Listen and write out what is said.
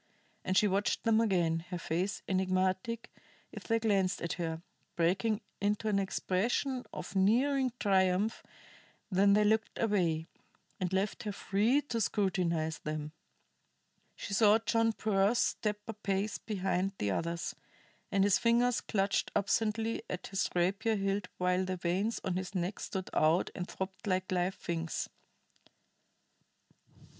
And she watched them again, her face enigmatic if they glanced at her, breaking into an expression of nearing triumph when they looked away, and left her free to scrutinize them. She saw John Pearse step a pace behind the others, and his fingers clutched absently at his rapier hilt while the veins on his neck stood out and throbbed like live things.